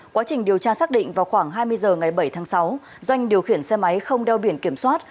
quá trình điều tra xác định vào khoảng hai mươi h ngày bảy tháng sáu doanh điều khiển xe máy không đeo biển kiểm soát